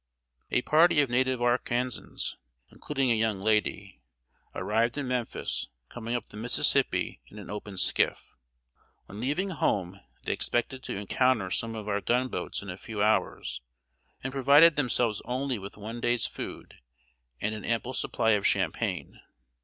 A party of native Arkansans, including a young lady, arrived in Memphis, coming up the Mississippi in an open skiff. When leaving home they expected to encounter some of our gun boats in a few hours, and provided themselves only with one day's food, and an ample supply of champagne.